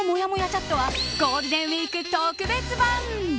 チャットはゴールデンウィーク特別版。